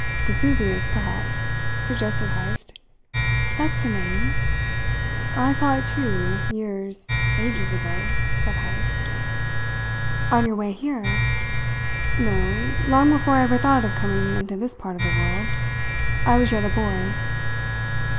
"Vesuvius, perhaps," suggested Heyst. "That's the name." "I saw it, too, years, ages ago," said Heyst. "On your way here?" "No, long before I ever thought of coming into this part of the world. I was yet a boy."